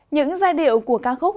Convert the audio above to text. những giai điệu của ca khúc